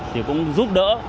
thì cũng giúp đỡ